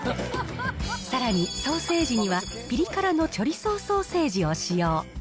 さらにソーセージには、ぴり辛のチョリソーソーセージを使用。